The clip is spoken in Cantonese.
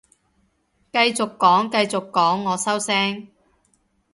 繼續講繼續講，我收聲